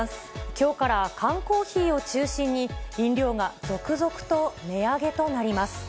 きょうから缶コーヒーを中心に飲料が続々と値上げとなります。